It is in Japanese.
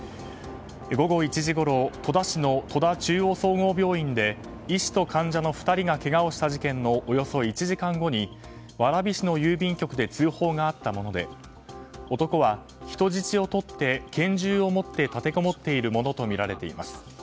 午後１時ごろ戸田市の戸田中央総合病院で医師と患者の２人がけがをした事件のおよそ１時間後に蕨市の郵便局で通報があったもので男は、人質をとって拳銃を持って立てこもっているものとみられています。